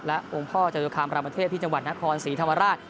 และองค์พ่อจะอยู่ข้ามกราบประเทศที่จังหวัดนครศรีธรรมราช